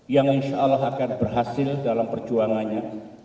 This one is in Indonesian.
yang insya allah akan berhasil dalam perjuangannya